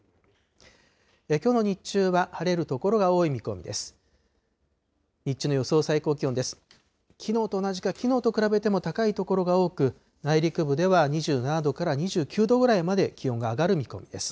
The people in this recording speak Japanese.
きょうの日中は晴れる所が多い見込みです。